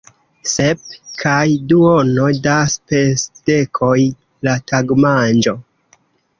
Sep kaj duono da spesdekoj la tagmanĝo!